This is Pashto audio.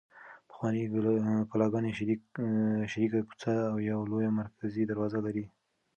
پخوانۍ کلاګانې شریکه کوڅه او یوه لویه مرکزي دروازه لري.